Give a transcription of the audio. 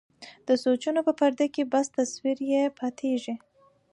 د سوچونو په پرده کې بس تصوير يې پاتې کيږي.